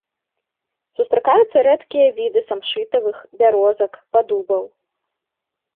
Сустракаюцца рэдкія віды самшытавых, бярозак, падубаў.